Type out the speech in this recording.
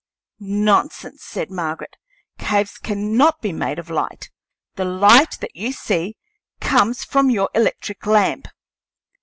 "Nonsense!" said Margaret. "Caves cannot be made of light; the light that you see comes from your electric lamp."